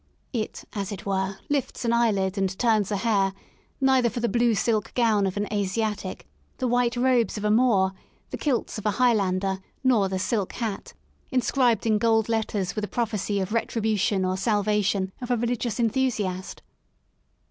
It, as it were, lifts an eyelid and turns a hair neither for the blue silk gown of an Asiatic, the white robes of a Moor, the kilts of a Highlander, nor the silk hat, inscribed in gold letters with a prophecy of retribution or salvation, of a religious enthusiast.